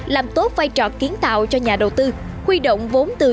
làm tốt vai trò kiến tạo cho nhà đầu tư